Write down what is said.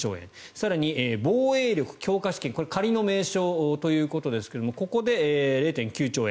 更に防衛力強化資金仮の名称ということですがここで０．９兆円。